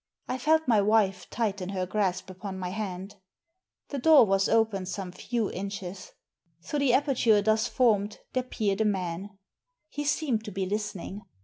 I felt my wife tighten her grasp upon my hand. The door was open some few inches. Through the aperture thus formed there peered a man. He seemed to be listening.